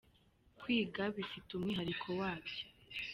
Kwiga bifite umwihariko wabyo.